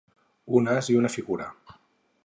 Un as i una figura.